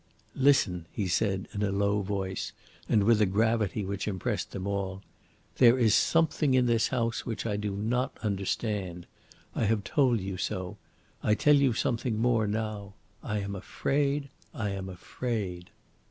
"Listen!" he said, in a low voice, and with a gravity which impressed them all. "There is something in this house which I do not understand. I have told you so. I tell you something more now. I am afraid I am afraid."